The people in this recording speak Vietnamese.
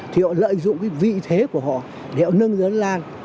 thì họ lợi dụng cái vị thế của họ để họ nâng dẫn lan